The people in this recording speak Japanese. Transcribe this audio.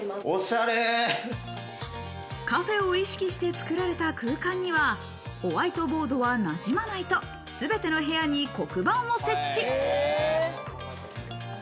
カフェを意識して作られた空間には、ホワイトボードはなじまないと、すべての部屋に黒板を設置。